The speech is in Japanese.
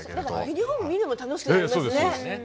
ユニフォーム見るのも楽しくなりますね。